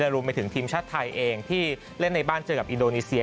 รวมไปถึงทีมชาติไทยเองที่เล่นในบ้านเจอกับอินโดนีเซีย